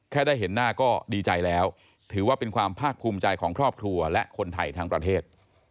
ได้เห็นหน้าก็ดีใจแล้วถือว่าเป็นความภาคภูมิใจของครอบครัวและคนไทยทั้งประเทศ